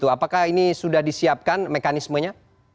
apakah ini sudah disiapkan mekanismenya